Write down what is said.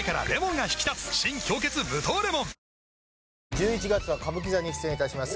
１１月は歌舞伎座に出演いたします